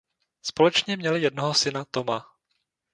Společně měli jednoho syna Toma.